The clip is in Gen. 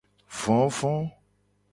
Vovo.